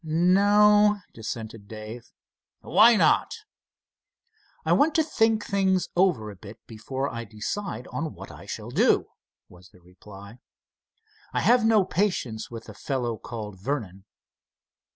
"No," dissented Dave. "Why not?" "I want to think things over a bit, before I decide on what I shall do," was the reply. "I have no patience with the fellow called Vernon."